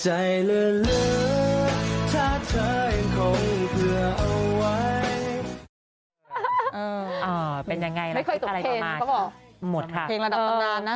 อ่าเป็นยังไงไม่เคยตกเพลงเขาบอกหมดค่ะเพลงระดับตอนนานนะ